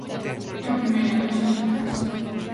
eu primeira, e as outras detrás;